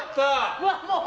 うわ、もう。